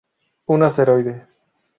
Un asteroide.